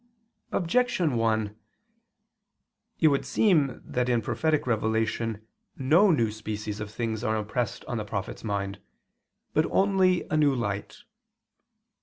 Objection 1: It would seem that in prophetic revelation no new species of things are impressed on the prophet's mind, but only a new light.